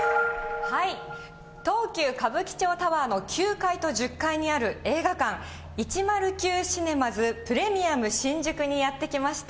東急歌舞伎町タワーの９階と１０階にある映画館、１０９シネマズプレミアム新宿にやって来ました。